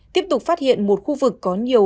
tiếp tục phát hiện một khu vực có nhiều